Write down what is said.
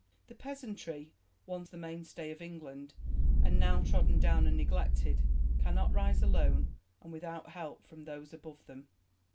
The peasantry, once the mainstay of England and now trodden down and neglected, cannot rise alone and without help from those above them.